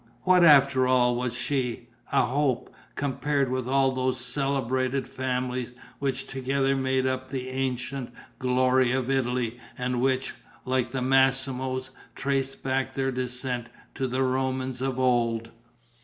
What after all was she, a Hope, compared with all those celebrated families, which together made up the ancient glory of Italy and which, like the Massimos, traced back their descent to the Romans of old?